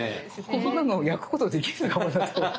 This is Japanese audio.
こんなの焼くことできるのかなと。